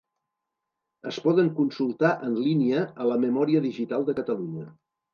Es poden consultar en línia a la Memòria Digital de Catalunya.